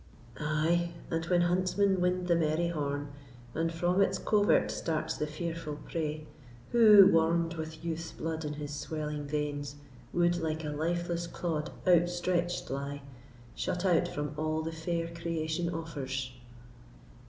Ay, and when huntsmen wind the merry horn, And from its covert starts the fearful prey, Who, warm'd with youth's blood in his swelling veins, Would, like a lifeless clod, outstretched lie, Shut out from all the fair creation offers?